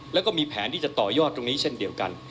แล้วก็มีแผนที่จะต่อยอดตรงนี้เช่นเดียวกัน